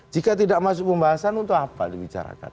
jika tidak masuk pembahasan untuk apa dibicarakan